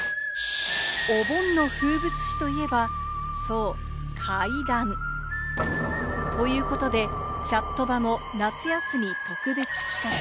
お盆の風物詩といえばそう、怪談。ということで、チャットバも夏休み特別企画。